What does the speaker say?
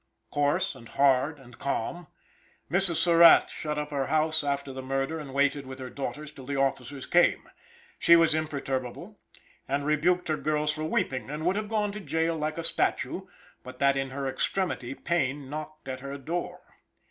Coarse, and hard, and calm, Mrs. Surratt shut up her house after the murder, and waited with her daughters till the officers came. She was imperturbable, and rebuked her girls for weeping, and would have gone to jail like a statue, but that in her extremity, Payne knocked at her door.